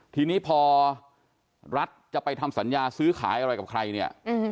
ทีนี้พอรัฐจะไปทำสัญญาซื้อขายอะไรกับใครเนี่ย